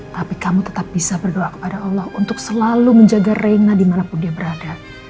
tapi kamu tetap bisa berdoa kepada allah untuk selalu menjaga reina dimanapun dia berada